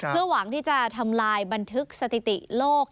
เพื่อหวังที่จะทำลายบันทึกสถิติโลก